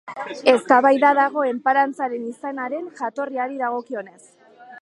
Eztabaida dago enparantzaren izenaren jatorriari dagokionez.